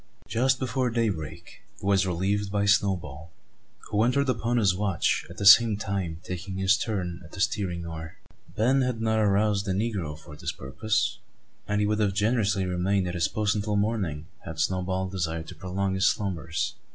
Just before daybreak, he was relieved by Snowball; who entered upon his watch, at the same time taking his turn at the steering oar. Ben had not aroused the negro for this purpose; and he would have generously remained at his post until morning, had Snowball desired to prolong his slumbers.